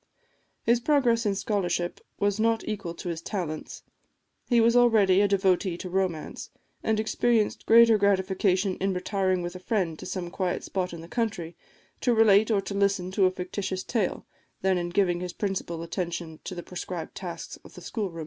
His progress in scholarship was not equal to his talents; he was already a devotee to romance, and experienced greater gratification in retiring with a friend to some quiet spot in the country, to relate or to listen to a fictitious tale, than in giving his principal attention to the prescribed tasks of the schoolroom.